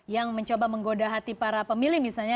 yang mencoba menggoda hati para pemilih misalnya